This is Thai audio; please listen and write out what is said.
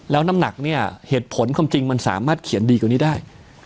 แล้วน้ำหนักเนี่ยเหตุผลความจริงมันสามารถเขียนดีกว่านี้ได้